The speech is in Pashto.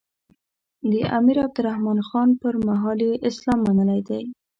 د امیر عبدالرحمان خان پر مهال یې اسلام منلی دی.